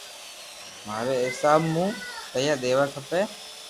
ماري حيساب مون پيئا ديوا کپي